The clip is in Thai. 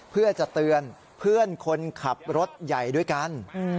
เพื่อจะเตือนเพื่อนคนขับรถใหญ่ด้วยกัน